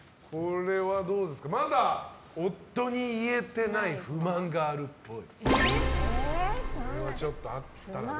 まだ夫に言えてない不満があるっぽい。